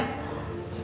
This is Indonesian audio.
kamu gak berani